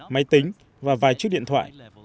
máy tính và vài chiếc điện thoại